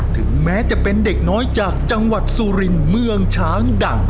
ถึงแม้จะเป็นเด็กน้อยจากจังหวัดสุรินทร์เมืองช้างดัง